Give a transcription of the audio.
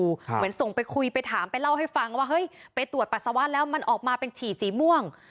เหมือนส่งไปคุยไปถามไปเล่าให้ฟังว่าเฮ้ยไปตรวจปัสสาวะแล้วมันออกมาเป็นฉี่สีม่วง